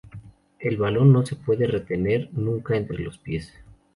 El balón no se puede retener nunca entre los pies.